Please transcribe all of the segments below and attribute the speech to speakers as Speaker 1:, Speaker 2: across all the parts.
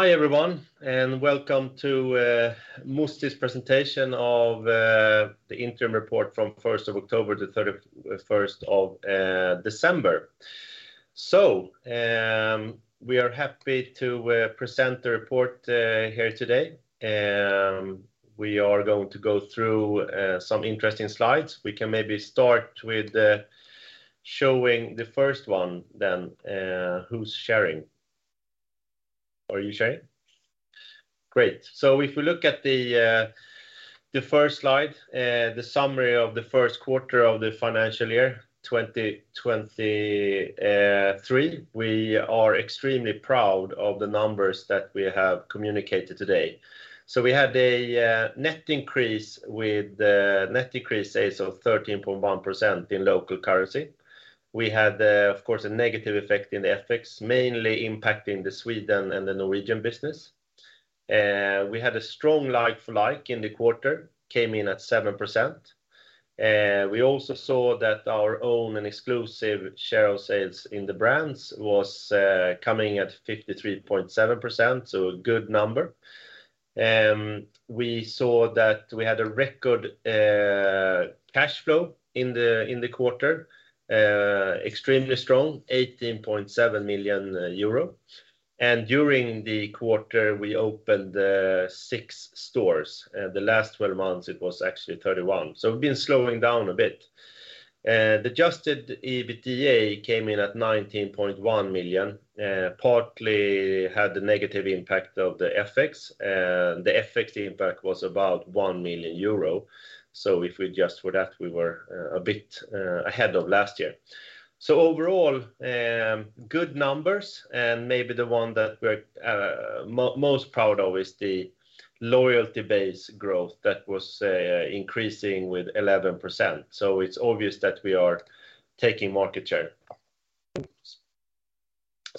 Speaker 1: Hi, everyone, and welcome to Musti's presentation of the interim report from 1st of October to 31st of December. We are happy to present the report here today. We are going to go through some interesting slides. We can maybe start with the showing the first one then, who's sharing. Are you sharing? Great. If you look at the first slide, the summary of the first quarter of the financial year 2023, we are extremely proud of the numbers that we have communicated today. We had a net increase with the net decrease sales of 13.1% in local currency. We had, of course, a negative effect in the FX, mainly impacting the Sweden and the Norwegian business. We had a strong like-for-like in the quarter, came in at 7%. We also saw that our own and exclusive share of sales in the brands was coming at 53.7%, so a good number. We saw that we had a record cash flow in the quarter, extremely strong, 18.7 million euro. During the quarter, we opened six stores. The last 12 months, it was actually 31. So we've been slowing down a bit. The adjusted EBITDA came in at 19.1 million, partly had the negative impact of the FX. The FX impact was about 1 million euro. So if we adjust for that, we were a bit ahead of last year. Overall, good numbers, and maybe the one that we are most proud of is the loyalty base growth that was increasing with 11%. It's obvious that we are taking market share.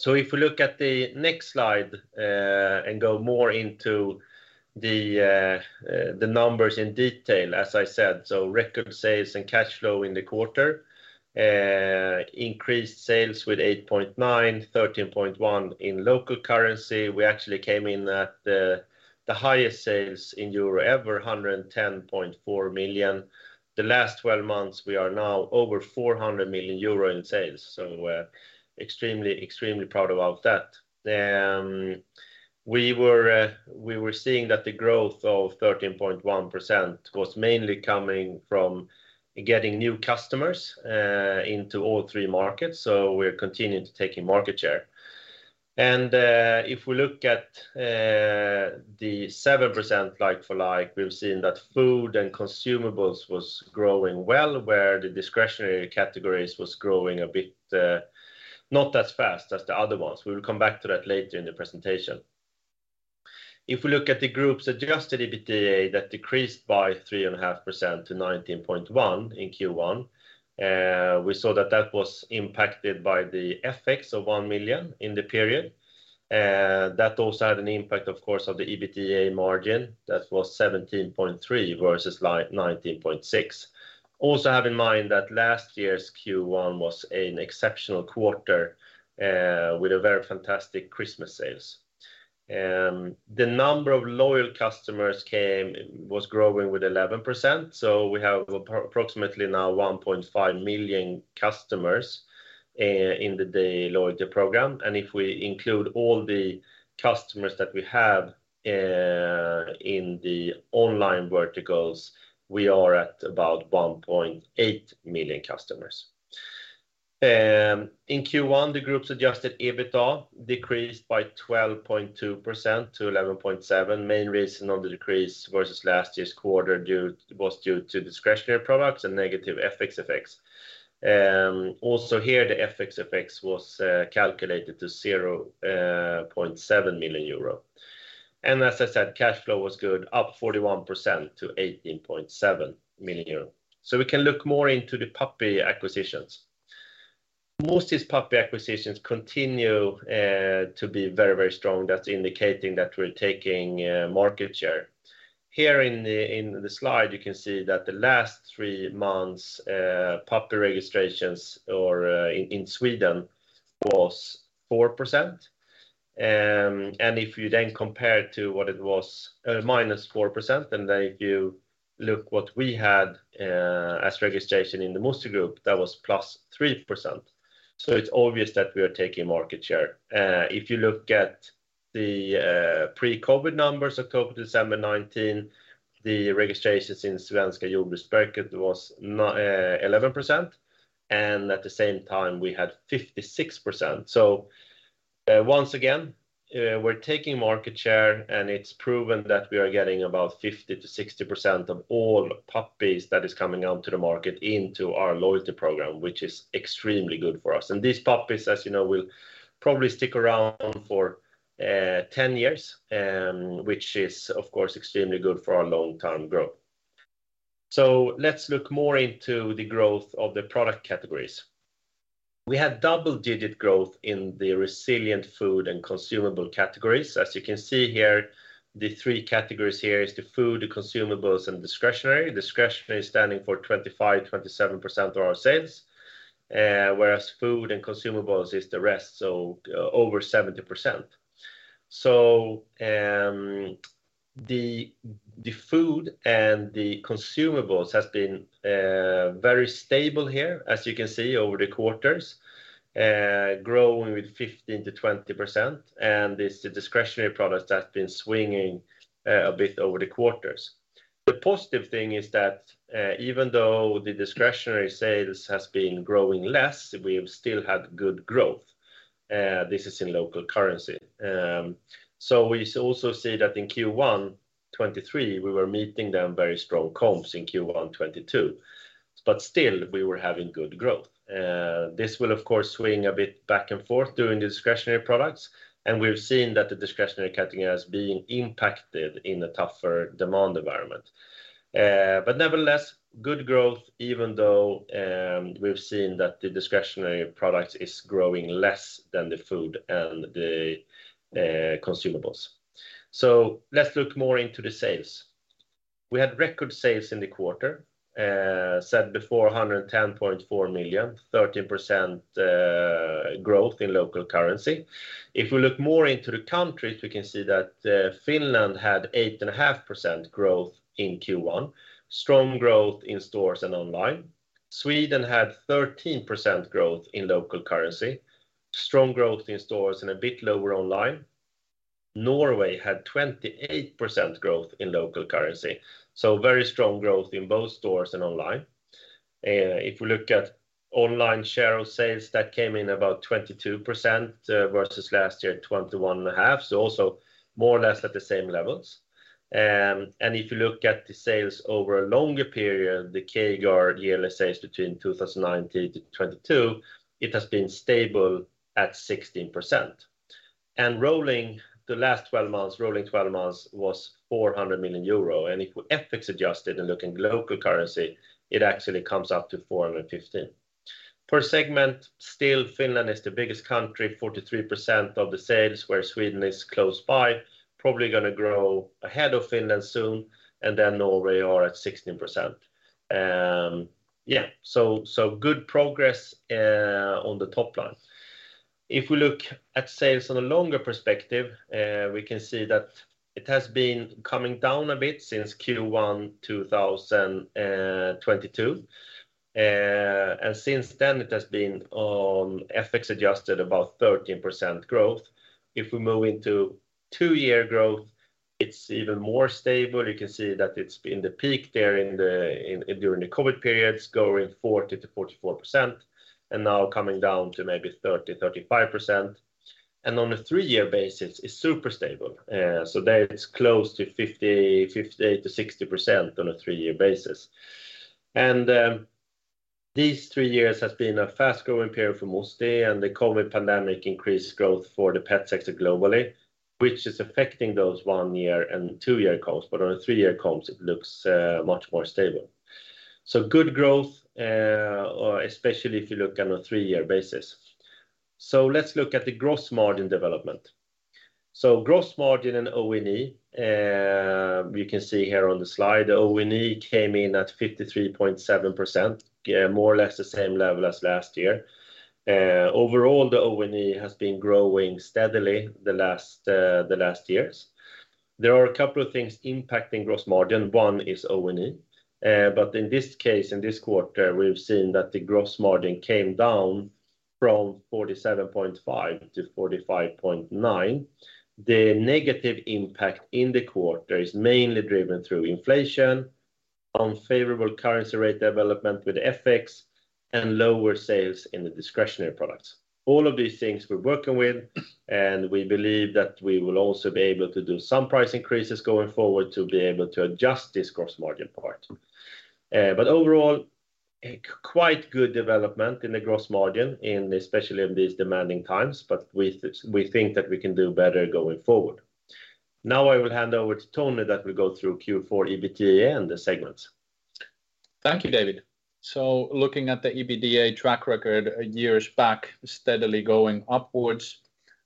Speaker 1: If you look at the next slide, and go more into the numbers in detail, as I said, record sales and cash flow in the quarter, increased sales with 8.9%, 13.1% in local currency. We actually came in at the highest sales in EUR ever, 110.4 million euro. The last 12 months, we are now over 400 million euro in sales. So we are extremely proud about that. We were seeing that the growth of 13.1% was mainly coming from getting new customers into all three markets. We are continuing to taking market share. If we look at the 7% like-for-like, we have seen that food and consumables was growing well, where the discretionary categories was growing a bit, not as fast as the other ones. We will come back to that later in the presentation. If we look at the Group's adjusted EBITDA, that decreased by 3.5% to 19.1 in Q1, we saw that that was impacted by the FX of 1 million in the period. That also had an impact, of course, of the EBITDA margin. That was 17.3 versus 19.6. Also have in mind that last year's Q1 was an exceptional quarter, with a very fantastic Christmas sales. The number of loyal customers was growing with 11%. We have approximately now 1.5 million customers in the loyalty program. If we include all the customers that we have in the online verticals, we are at about 1.8 million customers. In Q1, the group's adjusted EBITDA decreased by 12.2% to 11.7. Main reason of the decrease versus last year's quarter was due to discretionary products and negative FX effects. Also here, the FX effects was calculated to 0.7 million euro. As I said, cash flow was good, up 41% to 18.7 million euro. We can look more into the puppy acquisitions. Musti's puppy acquisitions continue to be very strong. That is indicating that we're taking market share. Here in the slide, you can see that the last three months, puppy registrations or in Sweden was 4%. If you then compare it to what it was, -4%, if you look what we had as registration in the Musti Group, that was +3%. It's obvious that we are taking market share. If you look at the pre-COVID numbers, October to December 2019, the registrations in Svenska Djurhälsberget was 11%, and at the same time, we had 56%. Once again, we are taking market share, and it's proven that we are getting about 50%-60% of all puppies that is coming out to the market into our loyalty program, which is extremely good for us. These puppies, as you know, will probably stick around for 10 years, which is of course extremely good for our long-term growth. Let's look more into the growth of the product categories. We had double-digit growth in the resilient food and consumable categories. As you can see here. The three categories here is the food, the consumables, and discretionary. Discretionary is standing for 25%-27% of our sales, whereas food and consumables is the rest, so over 70%. The food and the consumables has been very stable here as you can see over the quarters, growing with 15%-20%, and it's the discretionary products that's been swinging a bit over the quarters. The positive thing is that, even though the discretionary sales has been growing less, we've still had good growth. This is in local currency. We also see that in Q1 2023, we were meeting then very strong comps in Q1 2022, but still we were having good growth. This will of course swing a bit back and forth during the discretionary products, and we have seen that the discretionary category has been impacted in a tougher demand environment. but nevertheless, good growth even though we've seen that the discretionary products is growing less than the food and the consumables. So let's look more into the sales. We had record sales in the quarter. said before 110.4 million, 13% growth in local currency. If we look more into the countries, we can see that Finland had 8.5% growth in Q1, strong growth in stores and online. Sweden had 13% growth in local currency, strong growth in stores and a bit lower online. Norway had 28% growth in local currency, so very strong growth in both stores and online. If we look at online share of sales, that came in about 22%, versus last year at 21.5%, so also more or less at the same levels. If you look at the sales over a longer period, the CAGR yearly sales between 2019 to 2022, it has been stable at 16%. Rolling the last 12 months, rolling 12 months was 400 million euro. If we FX adjust it and look in local currency, it actually comes up to 415 million. Per segment, still Finland is the biggest country, 43% of the sales, where Sweden is close by, probably gonna grow ahead of Finland soon. Norway are at 16%. Yeah, so good progress on the top line. If we look at sales on a longer perspective, we can see that it has been coming down a bit since Q1 2022. Since then it has been on FX adjusted about 13% growth. If we move into 2-year growth, it's even more stable. You can see that it's been the peak there during the COVID periods, growing 40%-44%, and now coming down to maybe 30%-35%. On a 3-year basis, it's super stable. There it's close to 50%-60% on a 3-year basis. These 3 years has been a fast-growing period for Musti, and the COVID pandemic increased growth for the pet sector globally, which is affecting those 1-year and 2-year comps. On a 3-year comps, it looks much more stable. Good growth, or especially if you look on a 3-year basis. Let's look at the gross margin development. Gross margin and O&E, you can see here on the slide, O&E came in at 53.7%, more or less the same level as last year. Overall, the O&E has been growing steadily the last years. There are a couple of things impacting gross margin. One is O&E. But in this case, in this quarter, we've seen that the gross margin came down from 47.5% to 45.9%. The negative impact in the quarter is mainly driven through inflation, unfavorable currency rate development with FX, and lower sales in the discretionary products. We believe that we will also be able to do some price increases going forward to be able to adjust this gross margin part. Overall, a quite good development in the gross margin in especially in these demanding times, but we think that we can do better going forward. Now I will hand over to Toni that will go through Q4 EBITDA and the segments.
Speaker 2: Thank you, David. Looking at the EBITDA track record years back, steadily going upwards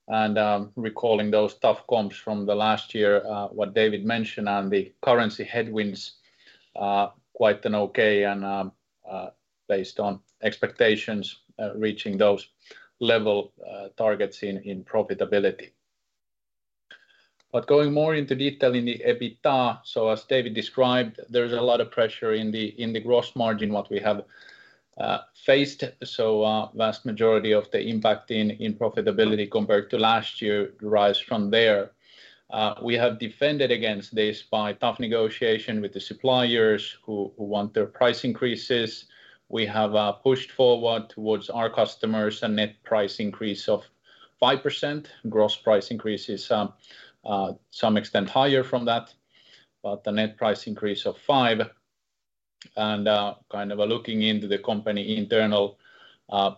Speaker 2: and recalling those tough comps from the last year, what David mentioned and the currency headwinds are quite an okay and based on expectations, reaching those level targets in profitability. Going more into detail in the EBITDA, as David described, there's a lot of pressure in the gross margin, what we have faced. Vast majority of the impact in profitability compared to last year derives from there. We have defended against this by tough negotiation with the suppliers who want their price increases. We have pushed forward towards our customers a net price increase of 5%. Gross price increase is some extent higher from that. The net price increase of 5% and kind of looking into the company internal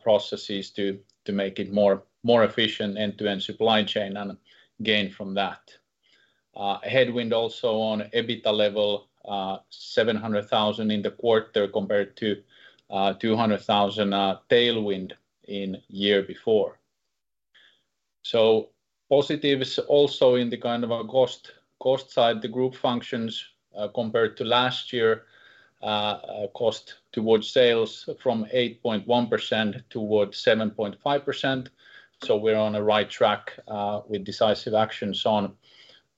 Speaker 2: processes to make it more efficient end-to-end supply chain and gain from that. Headwind also on EBITDA level, 700,000 in the quarter compared to 200,000 tailwind in year before. Positives also in the kind of cost side the group functions compared to last year. Cost towards sales from 8.1% towards 7.5%. We're on the right track with decisive actions on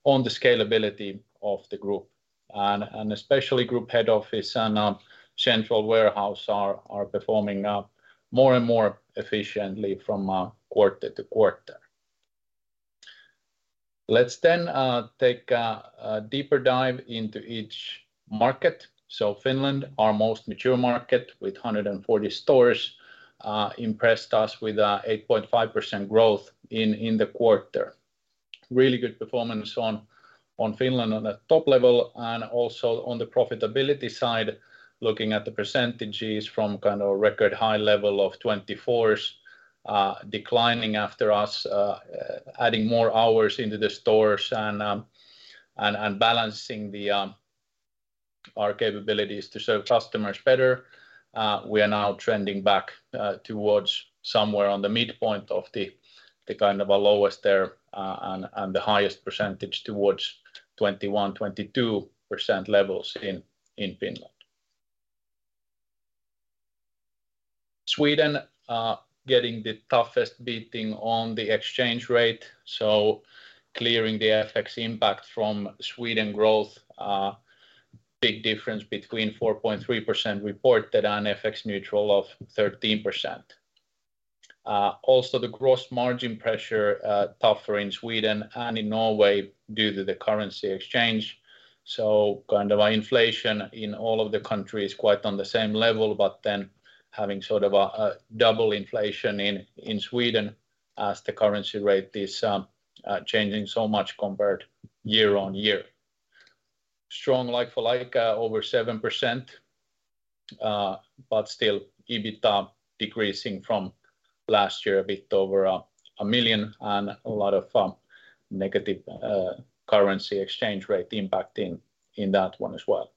Speaker 2: the scalability of the group. Especially group head office and central warehouse are performing more and more efficiently from quarter to quarter. Let's take a deeper dive into each market. Finland, our most mature market with 140 stores, impressed us with 8.5% growth in the quarter. Really good performance on Finland on the top level and also on the profitability side. Looking at the percentages from kind of a record high level of 24%, declining after us, adding more hours into the stores and balancing our capabilities to serve customers better. We are now trending back towards somewhere on the midpoint of the kind of our lowest there, and the highest percentage towards 21%-22% levels in Finland. Sweden, getting the toughest beating on the exchange rate. Clearing the FX impact from Sweden growth, big difference between 4.3% reported and FX neutral of 13%. Also the gross margin pressure, tougher in Sweden and in Norway due to the currency exchange. Kind of inflation in all of the countries quite on the same level, but then having sort of a double inflation in Sweden as the currency rate is changing so much compared year-on-year. Strong like-for-like, over 7%. Still EBITDA decreasing from last year a bit over 1 million and a lot of negative currency exchange rate impacting in that one as well.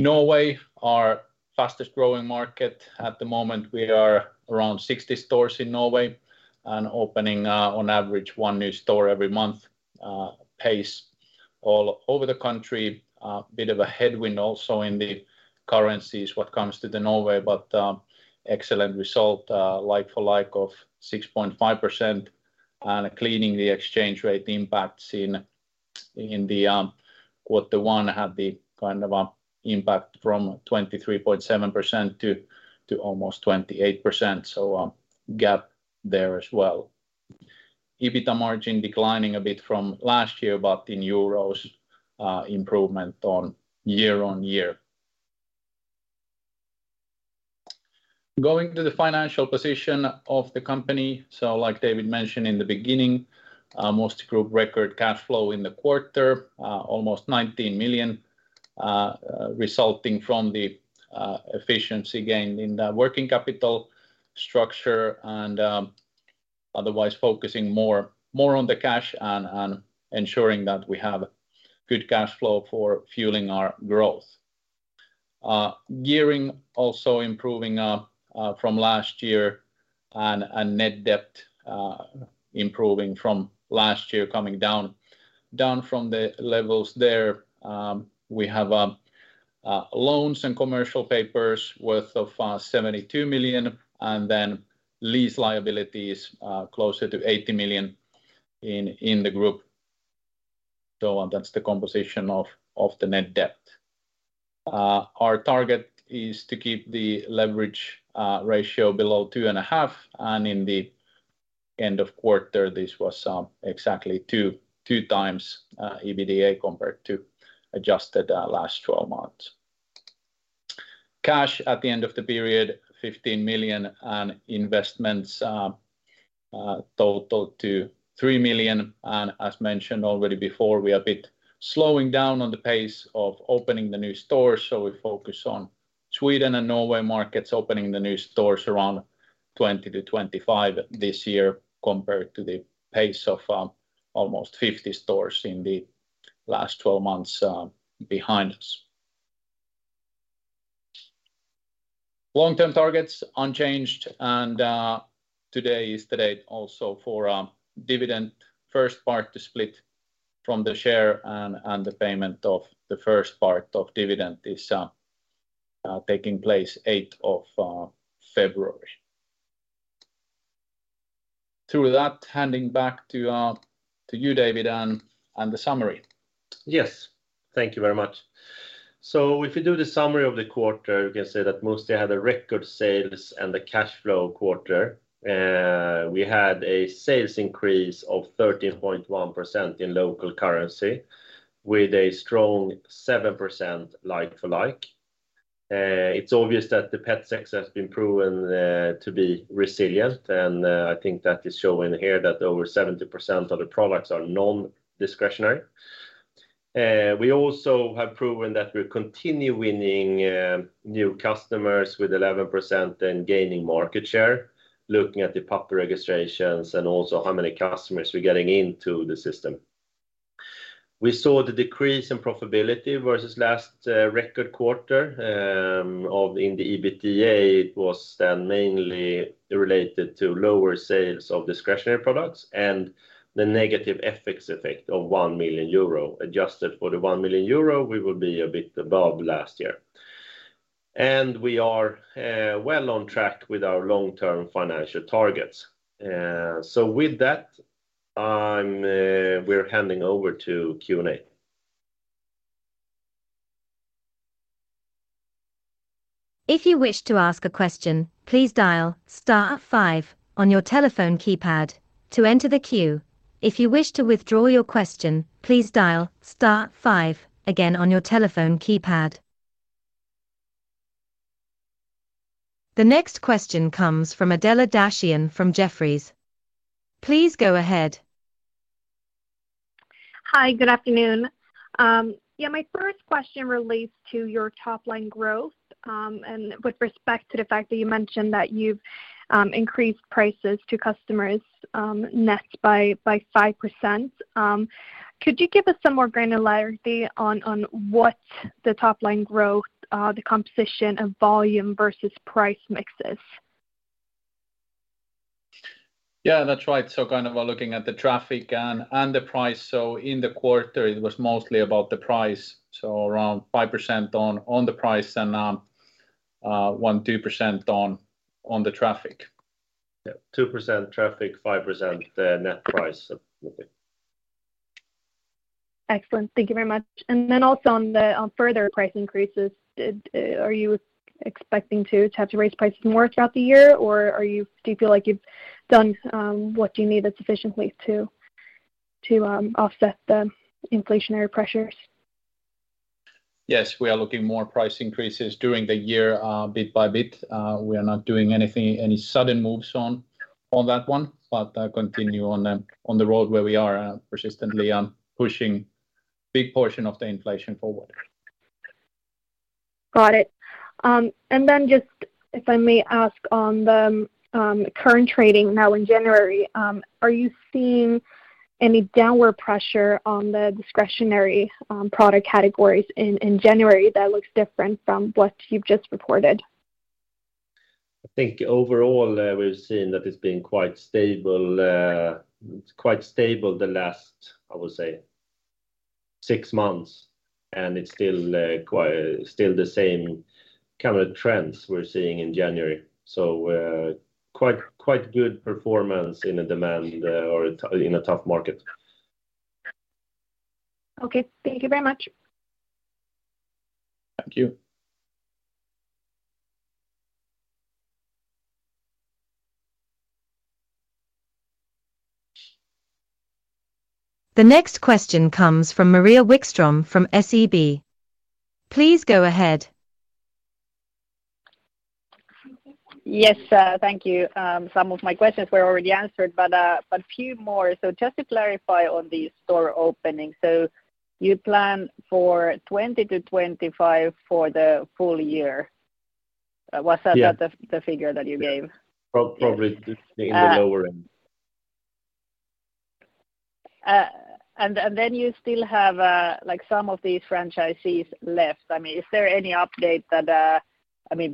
Speaker 2: Norway, our fastest growing market. At the moment, we are around 60 stores in Norway and opening on average one new store every month pace all over the country. Bit of a headwind also in the currencies, what comes to the Norway, but excellent result, like-for-like of 6.5%. Cleaning the exchange rate impacts in Q1 had the kind of a impact from 23.7% to almost 28%. Gap there as well. EBITDA margin declining a bit from last year, but in EUR, improvement on year-on-year. Going to the financial position of the company. Like David mentioned in the beginning, Musti Group record cash flow in the quarter, almost 19 million, resulting from the efficiency gained in the working capital structure and otherwise focusing more on the cash and ensuring that we have good cash flow for fueling our growth. Gearing also improving from last year and net debt improving from last year coming down from the levels there. We have loans and commercial papers worth of 72 million, and then lease liabilities closer to 80 million in the group. And that's the composition of the net debt. Our target is to keep the leverage ratio below 2.5. And in the end of quarter, this was exactly 2 times EBITDA compared to adjusted last 12 months. Cash at the end of the period, 15 million, and investments total to 3 million. As mentioned already before, we are a bit slowing down on the pace of opening the new stores. We focus on Sweden and Norway markets opening the new stores around 20-25 this year compared to the pace of almost 50 stores in the last 12 months behind us. Long-term targets unchanged. Today is the date also for dividend first part to split from the share and the payment of the first part of dividend is taking place eighth of February. Through that, handing back to you, David, and the summary.
Speaker 1: Yes. Thank you very much. If you do the summary of the quarter, you can say that Musti had a record sales and a cash flow quarter. We had a sales increase of 13.1% in local currency with a strong 7% like-for-like. It's obvious that the pet sector has been proven to be resilient. I think that is showing here that over 70% of the products are non-discretionary. We also have proven that we continue winning new customers with 11% and gaining market share, looking at the puppy registrations and also how many customers we're getting into the system. We saw the decrease in profitability versus last record quarter, in the EBITDA it was then mainly related to lower sales of discretionary products and the negative FX effect of 1 million euro. Adjusted for the 1 million euro, we will be a bit above last year. We are well on track with our long-term financial targets. With that, We're handing over to Q&A.
Speaker 3: If you wish to ask a question, please dial star five on your telephone keypad to enter the queue. If you wish to withdraw your question, please dial star five again on your telephone keypad. The next question comes from Adela Dashian from Jefferies. Please go ahead.
Speaker 4: Hi, good afternoon. Yeah, my first question relates to your top line growth. With respect to the fact that you mentioned that you've increased prices to customers, net by 5%. Could you give us some more granularity on what the top line growth, the composition of volume versus price mix is?
Speaker 2: Yeah, that's right. kind of looking at the traffic and the price. In the quarter it was mostly about the price, so around 5% on the price and 1-2% on the traffic.
Speaker 1: Yeah, 2% traffic, 5% net price.
Speaker 4: Excellent. Thank you very much. Also on further price increases, are you expecting to have to raise prices more throughout the year, or do you feel like you've done what you needed sufficiently to offset the inflationary pressures?
Speaker 2: We are looking more price increases during the year, bit by bit. We are not doing anything, any sudden moves on that one, but continue on the road where we are persistently pushing big portion of the inflation forward.
Speaker 4: Got it. Just if I may ask on the current trading now in January, are you seeing any downward pressure on the discretionary product categories in January that looks different from what you've just reported?
Speaker 1: I think overall, we've seen that it's been quite stable, quite stable the last, I would say, six months, and it's still the same kind of trends we're seeing in January. quite good performance in the demand, or in a tough market.
Speaker 4: Okay. Thank you very much.
Speaker 1: Thank you.
Speaker 3: The next question comes from Maria Wikström from SEB. Please go ahead.
Speaker 5: Yes, thank you. Some of my questions were already answered, but few more. Just to clarify on the store opening, you plan for 20-25 for the full year.
Speaker 1: Yeah
Speaker 5: The figure that you gave?
Speaker 1: Probably in the lower end.
Speaker 5: Then you still have, like, some of these franchisees left. I mean, is there any update that? I mean,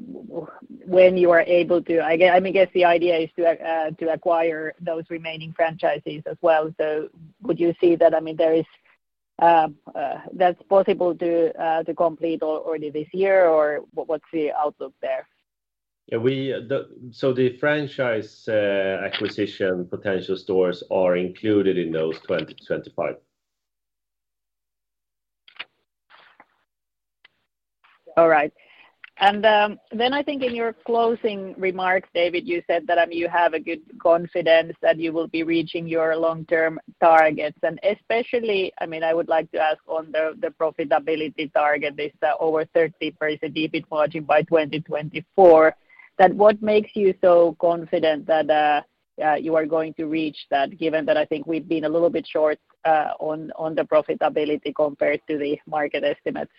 Speaker 5: when you are able to, I mean, guess the idea is to acquire those remaining franchisees as well. Would you see that, I mean, there is, that's possible to complete already this year, or what's the outlook there?
Speaker 1: Yeah, we, the franchise acquisition potential stores are included in those 20-25.
Speaker 5: All right. Then I think in your closing remarks, David, you said that, I mean, you have a good confidence that you will be reaching your long-term targets and especially, I mean, I would like to ask on the profitability target, this over 30% EBIT margin by 2024. That what makes you so confident that you are going to reach that, given that I think we've been a little bit short on the profitability compared to the market estimates?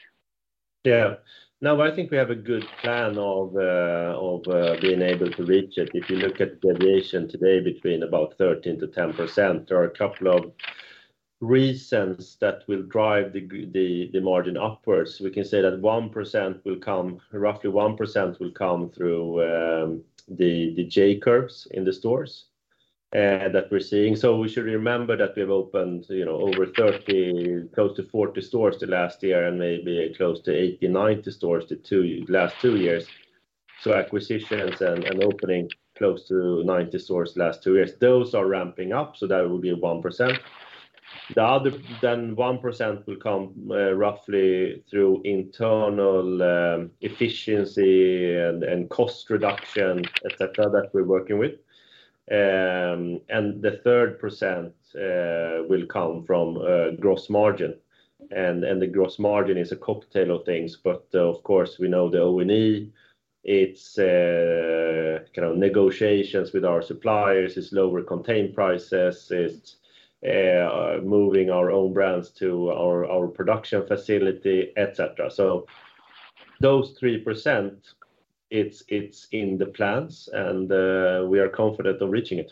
Speaker 1: Yeah. No, I think we have a good plan of being able to reach it. If you look at the deviation today between about 13%-10%, there are a couple of reasons that will drive the margin upwards. We can say that 1% will come, roughly 1% will come through the J-curves in the stores that we're seeing. We should remember that we've opened, you know, over 30, close to 40 stores the last year and maybe close to 80, 90 stores the last two years. Acquisitions and opening close to 90 stores the last two years. Those are ramping up, so that would be 1%. The other then 1% will come, roughly through internal efficiency and cost reduction, et cetera, that we're working with. The 3% will come from gross margin, and the gross margin is a cocktail of things. Of course, we know the O&E, it's kind of negotiations with our suppliers, it's lower contained prices, it's moving our own brands to our production facility, et cetera. Those 3%, it's in the plans and we are confident of reaching it.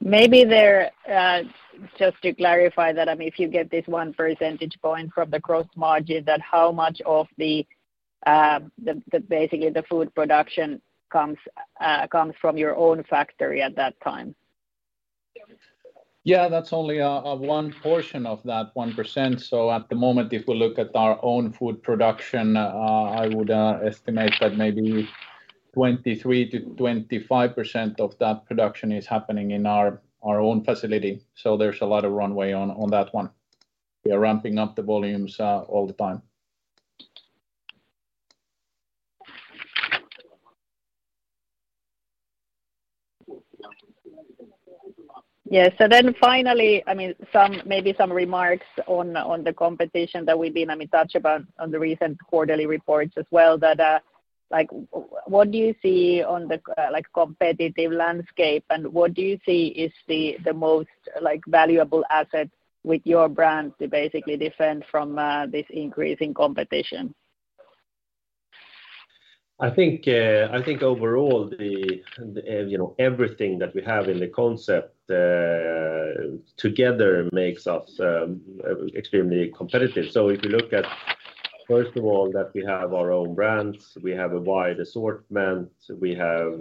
Speaker 5: Maybe there, just to clarify that, I mean, if you get this 1 percentage point from the gross margin, that how much of the, basically the food production comes from your own factory at that time?
Speaker 2: Yeah, that's only one portion of that 1%. At the moment, if we look at our own food production, I would estimate that maybe 23%-25% of that production is happening in our own facility. There's a lot of runway on that one. We are ramping up the volumes all the time.
Speaker 5: Finally, I mean, some, maybe some remarks on the competition that we've been, I mean, touched about on the recent quarterly reports as well that, like what do you see on the, like, competitive landscape and what do you see is the most, like, valuable asset with your brand to basically defend from, this increasing competition?
Speaker 1: I think, I think overall the, you know, everything that we have in the concept, together makes us extremely competitive. If you look at, first of all, that we have our own brands, we have a wide assortment, we have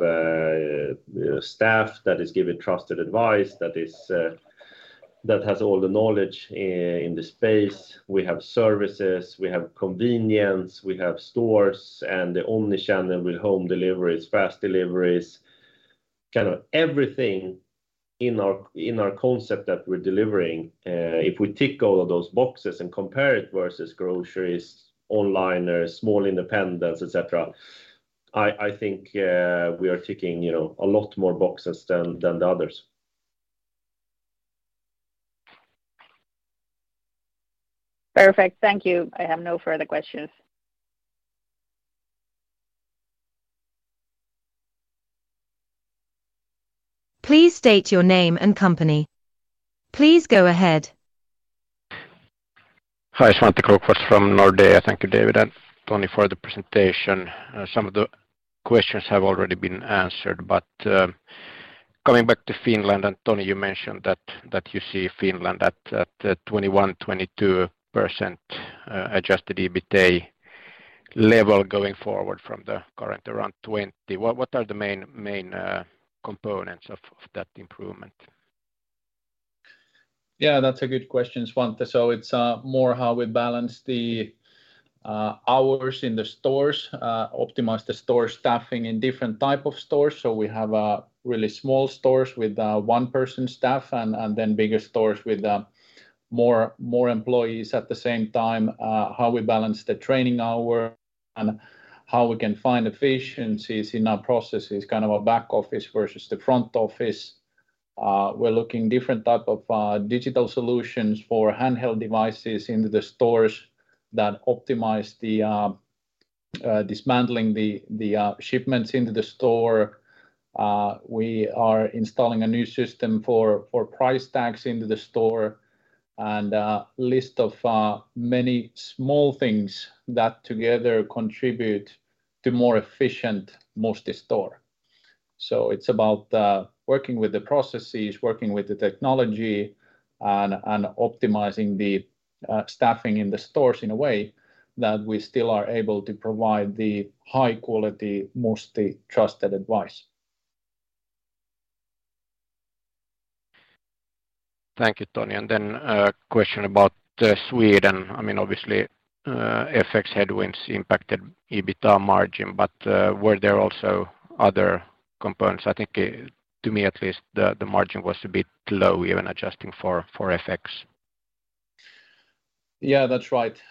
Speaker 1: staff that is giving trusted advice that is that has all the knowledge in the space. We have services, we have convenience, we have stores, and the omnichannel with home deliveries, fast deliveries. Kind of everything in our concept that we're delivering, if we tick all of those boxes and compare it versus groceries, online or small independents, et cetera, I think, we are ticking, you know, a lot more boxes than the others.
Speaker 5: Perfect. Thank you. I have no further questions.
Speaker 3: Please state your name and company. Please go ahead.
Speaker 6: Hi, Svante Krokfors from Nordea. Thank you, David and Toni, for the presentation. Some of the questions have already been answered. Coming back to Finland, Toni, you mentioned that you see Finland at 21%-22% adjusted EBITA level going forward from the current around 20. What are the main components of that improvement?
Speaker 2: That's a good question, Svante. It's more how we balance the hours in the stores, optimize the store staffing in different type of stores. We have really small stores with one-person staff and then bigger stores with more employees. At the same time, how we balance the training hour and how we can find efficiencies in our processes, kind of a back office versus the front office. We're looking different type of digital solutions for handheld devices into the stores that optimize the dismantling the shipments into the store. We are installing a new system for price tags into the store and a list of many small things that together contribute to more efficient Musti store. It's about working with the processes, working with the technology and optimizing the staffing in the stores in a way that we still are able to provide the high-quality Musti trusted advice.
Speaker 6: Thank you, Toni. A question about Sweden. I mean, obviously, FX headwinds impacted EBITA margin, were there also other components? I think, to me at least, the margin was a bit low even adjusting for FX.
Speaker 2: Yeah, that's right.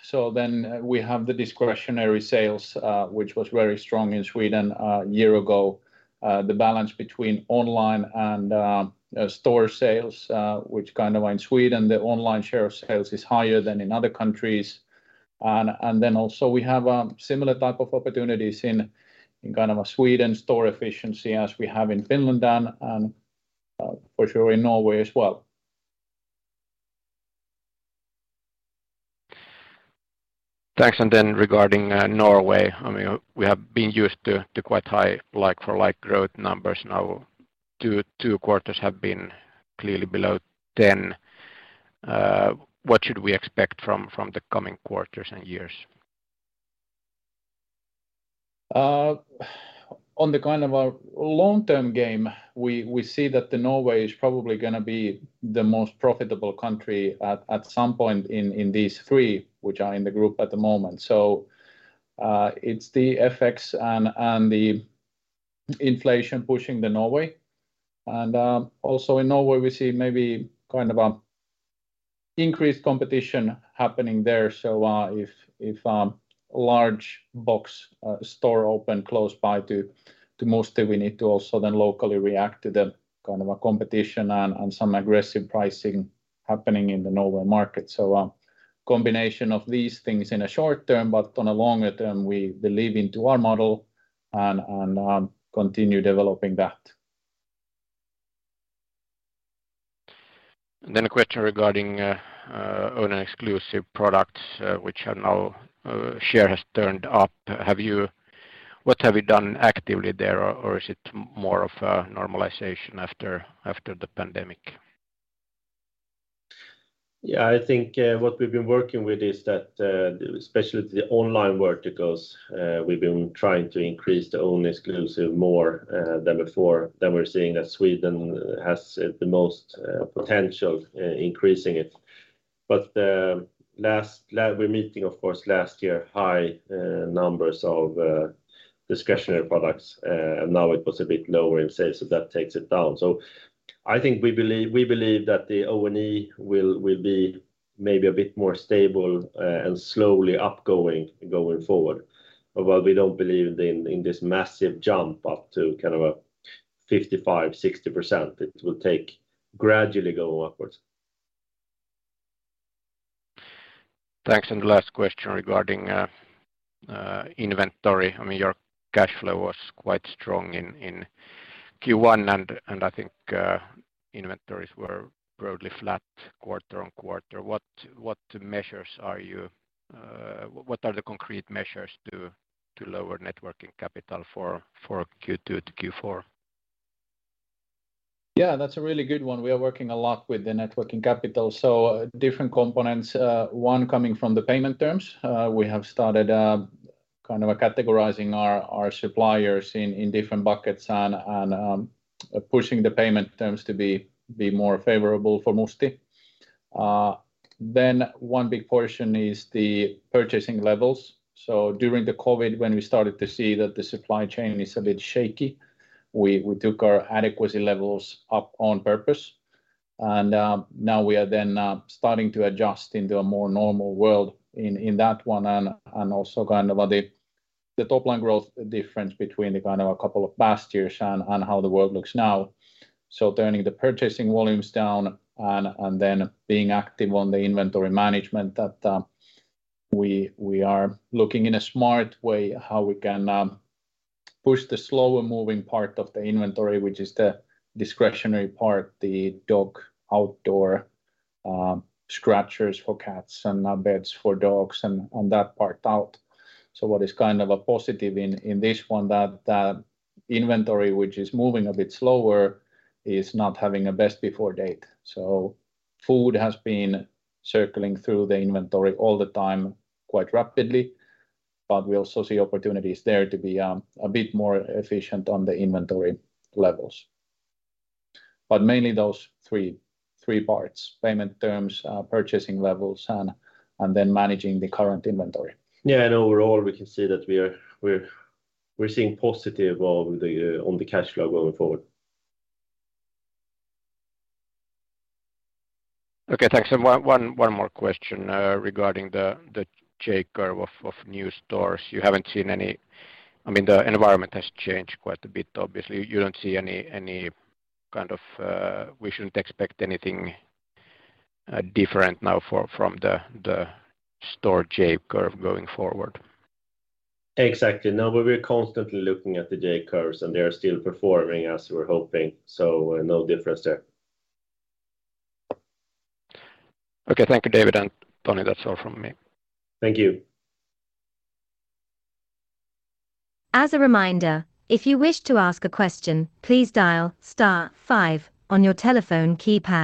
Speaker 2: We have the discretionary sales, which was very strong in Sweden a year ago. The balance between online and store sales, which kind of in Sweden, the online share of sales is higher than in other countries. We have similar type of opportunities in kind of a Sweden store efficiency as we have in Finland and, for sure in Norway as well.
Speaker 6: Thanks. Regarding Norway, I mean, we have been used to quite high like-for-like growth numbers. Now two quarters have been clearly below 10. What should we expect from the coming quarters and years?
Speaker 2: On the kind of a long-term game, we see that Norway is probably gonna be the most profitable country at some point in these three, which are in the group at the moment. It's the FX and the inflation pushing Norway. Also in Norway, we see maybe kind of a increased competition happening there. If large box store open close by to Musti, we need to also then locally react to the kind of a competition and some aggressive pricing happening in the Norway market. A combination of these things in a short term, but on a longer term, we believe into our model and continue developing that.
Speaker 6: A question regarding own and exclusive products, which have now, share has turned up. What have you done actively there? Or, is it more of a normalization after the pandemic?
Speaker 1: Yeah, I think, what we've been working with is that, especially with the online verticals, we've been trying to increase the own and exclusive more than before. We're seeing that Sweden has the most potential in increasing it. The last we're meeting of course last year high numbers of discretionary products. Now it was a bit lower in sales, so that takes it down. I think we believe that the O&E will be maybe a bit more stable and slowly upgoing going forward. While we don't believe in this massive jump up to kind of a 55%-60%, it will take gradually going upwards.
Speaker 6: Thanks. The last question regarding inventory. I mean, your cash flow was quite strong in Q1 and I think inventories were broadly flat quarter on quarter. What are the concrete measures to lower networking capital for Q2 to Q4?
Speaker 2: Yeah, that's a really good one. We are working a lot with the net working capital, so different components. One coming from the payment terms. We have started kind of categorizing our suppliers in different buckets and pushing the payment terms to be more favorable for Musti. Then one big portion is the purchasing levels. During the COVID, when we started to see that the supply chain is a bit shaky, we took our adequacy levels up on purpose. Now we are then starting to adjust into a more normal world in that one and also kind of the top line growth difference between the kind of a couple of past years and how the world looks now. Turning the purchasing volumes down and then being active on the inventory management that we are looking in a smart way how we can push the slower moving part of the inventory, which is the discretionary part, the dog outdoor, scratchers for cats and beds for dogs and that part out. What is kind of a positive in this one that the inventory which is moving a bit slower is not having a best before date. Food has been circling through the inventory all the time quite rapidly, but we also see opportunities there to be a bit more efficient on the inventory levels. Mainly those three parts. Payment terms, purchasing levels, and then managing the current inventory.
Speaker 1: Overall we can see that we are, we're seeing positive on the on the cash flow going forward.
Speaker 6: Okay, thanks. One more question regarding the J curve of new stores. You haven't seen any... I mean, the environment has changed quite a bit, obviously. You don't see any kind of... We shouldn't expect anything different now from the store J curve going forward?
Speaker 1: Exactly. No, we're constantly looking at the J-curves, and they are still performing as we are hoping. No difference there.
Speaker 6: Okay. Thank you, David and Tony. That's all from me.
Speaker 2: Thank you.
Speaker 3: As a reminder, if you wish to ask a question, please dial star five on your telephone keypad.